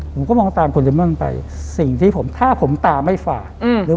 มันก็มองตามคุณเรม่อนไปสิ่งที่ผมถ้าผมตามให้ฝากอืม